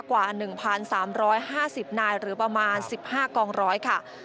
กว่า๑๓๕๐นายหรือประมาณ๑๕กองร้อยค่ะ